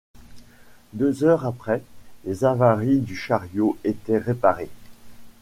Deux heures après, les avaries du chariot étaient réparées.